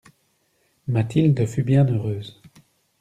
Mathilde fut bien heureuse.